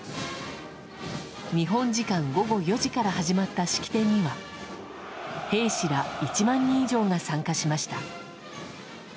日本時間午後４時から始まった式典には兵士ら１万人以上が参加しました。